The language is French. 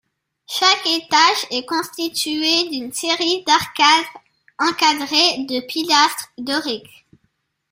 Chaque étage est constitué d'une série d'arcades encadrées de pilastres doriques.